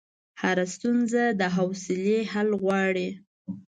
هره ستونزه د حوصلې حل غواړي.